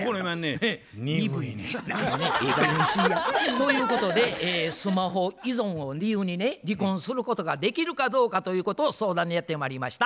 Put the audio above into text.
ということでスマホ依存を理由にね離婚することができるかどうかということを相談にやってまいりました。